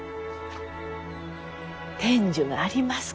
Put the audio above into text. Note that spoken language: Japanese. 天寿があります